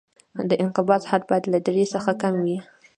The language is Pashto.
د انقباض حد باید له درې څخه کم وي